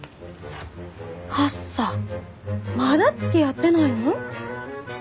はっさまだつきあってないの？